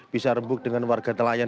bisa rembuk dengan warga dari kecamatan